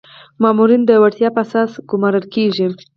مامورین د وړتیا په اساس ګمارل کیږي